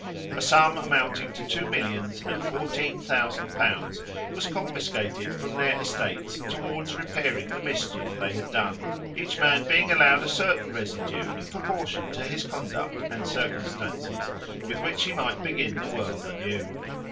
A sum amounting to two millions and fourteen thousand pounds was confiscated from their estates towards repairing the mischief they had done, each man being allowed a certain residue in proportion to his conduct and circumstances, with which he might begin the world anew.